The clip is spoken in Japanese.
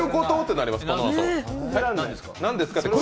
何ですか？